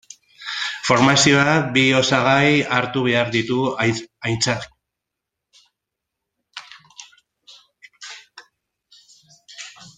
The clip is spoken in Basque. Formazioak bi osagai hartu behar ditu aintzat.